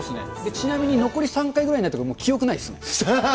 ちなみに残り３回ぐらいになってくると、記憶ですね。